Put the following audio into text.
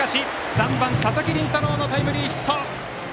３番、佐々木麟太郎のタイムリーヒット！